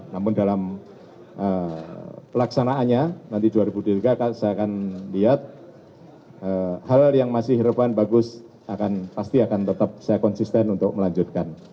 namun dalam pelaksanaannya nanti dua ribu dua puluh tiga saya akan lihat hal yang masih relevan bagus pasti akan tetap saya konsisten untuk melanjutkan